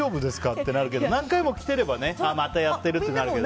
ってなるけど何回も来てればねまたやってるってなるけど。